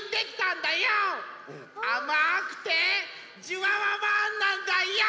あまくてじゅわわわんなんだＹＯ！